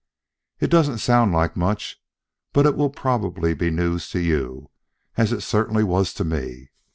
"It doesn't sound like much; but it will probably be news to you, as it certainly was to me.